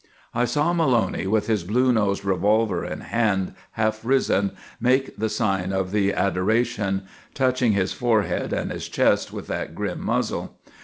_" I saw Maloney, his blue nosed revolver in hand, half risen, make the sign of the adoration, touching his forehead and his chest with that grim muzzle.